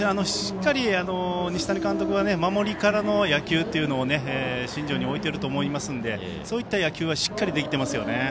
しっかり西谷監督が守りからの野球というのを信条においてると思いますのでそういった野球がしっかりできてますよね。